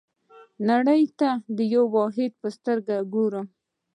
نړۍ ته د یوه واحد په سترګه ګورم.